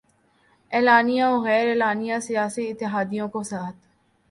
اعلانیہ وغیر اعلانیہ سیاسی اتحادیوں کو ساتھ